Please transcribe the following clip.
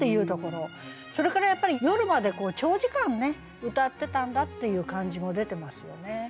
それからやっぱり夜まで長時間歌ってたんだっていう感じも出てますよね。